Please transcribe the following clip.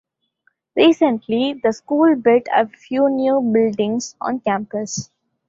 Recently, the school built a few new buildings on campus.